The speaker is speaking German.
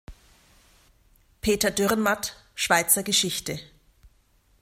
Peter Dürrenmatt: "Schweizer Geschichte.